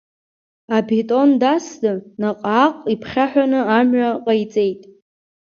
Абетон дасны, наҟ-ааҟ иԥхьаҳәаны амҩа ҟаиҵеит.